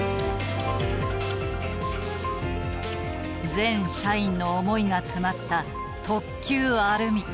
全社員の思いが詰まった「特急あるみ」。